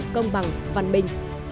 công bằng văn bình